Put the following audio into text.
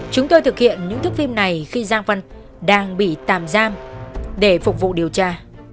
chúng tôi thực hiện những thức phim này khi giang văn đang bị tàm giam để phục vụ điều tra